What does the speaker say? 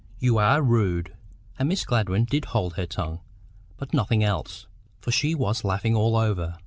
"You are rude." And Miss Gladwyn did hold her tongue, but nothing else, for she was laughing all over.